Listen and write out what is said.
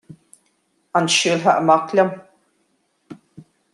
An siúlfá amach liom?